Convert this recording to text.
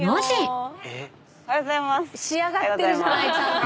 おはようございます。